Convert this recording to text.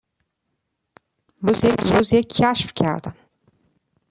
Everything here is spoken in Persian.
من امروز یک کشف کردم.